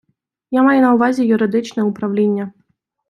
Я маю на увазі юридичне управління.